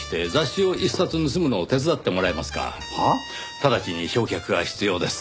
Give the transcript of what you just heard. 直ちに焼却が必要です。